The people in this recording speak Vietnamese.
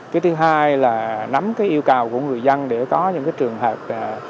cái thứ hai là nắm cái yêu cầu của người dân để có những cái trường hợp